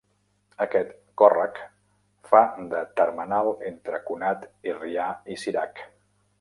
Aquest còrrec fa de termenal entre Conat i Rià i Cirac.